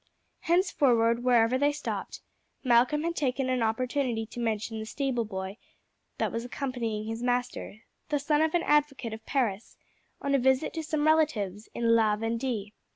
Henceforward, whenever they stopped, Malcolm had taken an opportunity to mention to the stable boy that he was accompanying his master, the son of an advocate of Paris, on a visit to some relatives in La Vendee.